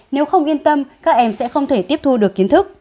nếu không yên tâm các em sẽ không thể tiếp thu được kiến thức